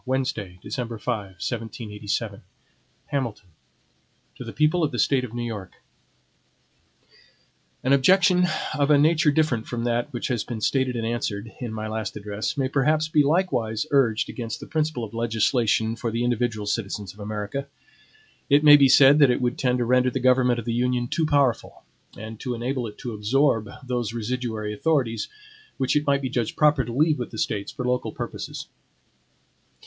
Wednesday, December 5, 1787 HAMILTON To the People of the State of New York: AN OBJECTION, of a nature different from that which has been stated and answered, in my last address, may perhaps be likewise urged against the principle of legislation for the individual citizens of America. It may be said that it would tend to render the government of the Union too powerful, and to enable it to absorb those residuary authorities, which it might be judged proper to leave with the States for local purposes.